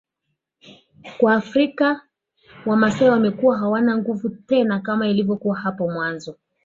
kwa Afrika wamasai wamekuwa hawana nguvu tena kama ilivyokuwa hapo mwanzo